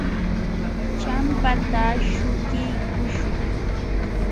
Champata śhukiykuśhun.